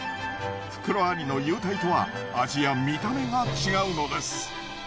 袋ありの有袋とは味や見た目が違うのです。